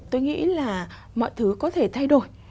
tôi nghĩ là mọi thứ có thể thay đổi